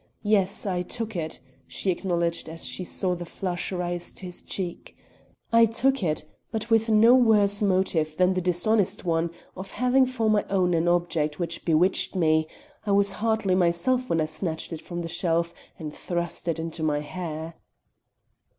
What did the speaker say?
Yes, I took it," she acknowledged as she saw the flush rise to his cheek. "I took it; but with no worse motive than the dishonest one of having for my own an object which bewitched me; I was hardly myself when I snatched it from the shelf and thrust it into my hair."